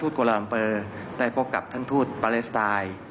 ได้พบกับท่านทูตปาเลสไทย